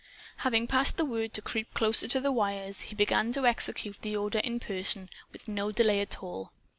Having passed the word to creep closer to the wires, he began to execute the order in person, with no delay at all.